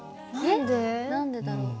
えっ？何でだろう？